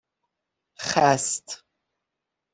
خَست